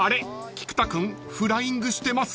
菊田君フライングしてます？］